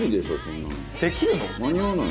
できるの？